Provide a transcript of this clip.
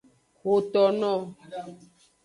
Xotono.